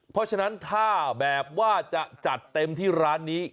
เพราะฉะนั้นถ้าแบบว่าจะจัดเต็มที่ร้านนี้